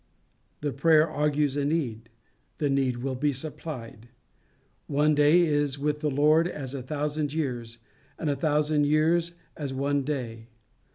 The prayer argues a need that need will be supplied. One day is with the Lord as a thousand years, and a thousand years as one day.